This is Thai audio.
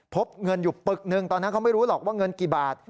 พบเงินอยู่ปึกหนึ่งตอนนั้นเขาไม่รู้หรอกว่าเงินกี่บาท